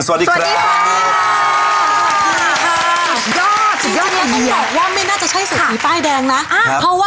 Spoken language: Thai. สวัสดีค่ะ